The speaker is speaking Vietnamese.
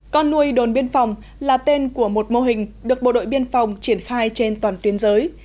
con nuôi đồn biên phòng là tên của một mô hình được bộ đội biên phòng triển khai trên toàn tuyến giới